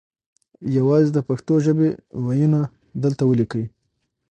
یوازې د پښتو ژبې وییونه دلته وليکئ